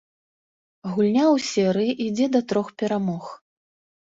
Гульня ў серыі ідзе да трох перамог.